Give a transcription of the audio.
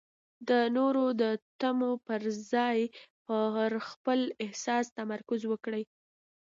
د نورو د تمو پر ځای پر خپل احساس تمرکز وکړئ.